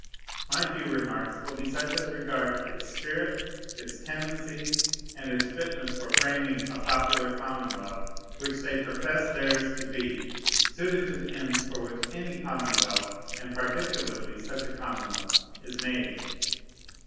My few remarks will be such as regard its spirit, its tendency, and its fitness for framing a popular commonwealth, which they profess theirs to be, suited to the ends for which any commonwealth, and particularly such a commonwealth, is made.